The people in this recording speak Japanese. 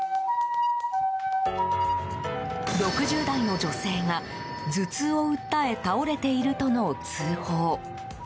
６０代の女性が頭痛を訴え倒れているとの通報。